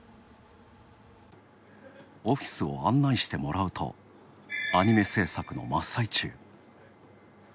オフィスを案内してもらうとアニメ制作の真っ最中。